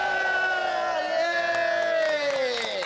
イエーイ！